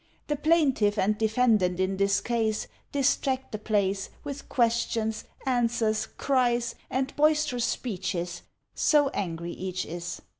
The plaintiff and defendant in this case Distract the place With questions, answers, cries, and boisterous speeches, So angry each is.